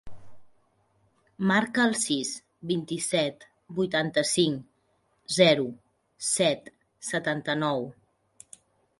Marca el sis, vint-i-set, vuitanta-cinc, zero, set, setanta-nou.